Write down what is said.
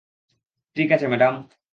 ঠিক আছে ম্যাডাম।